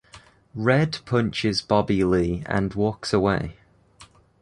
Red punches Bobby Lee and walks away.